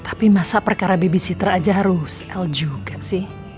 tapi masa perkara babysitter aja harus al juga sih